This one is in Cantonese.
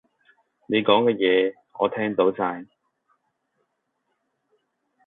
你講啲嘢我聽到晒